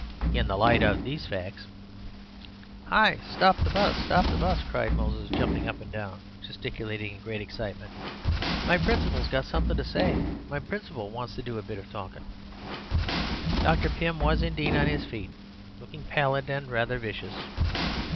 In the light of these facts—" "Hi, stop the 'bus! stop the 'bus!" cried Moses, jumping up and down and gesticulating in great excitement. "My principal's got something to say! My principal wants to do a bit of talkin'." Dr. Pym was indeed on his feet, looking pallid and rather vicious.